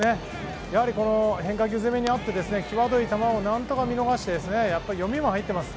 やはり変化球攻めにあって際どい球を何とか見逃して読みも入っています。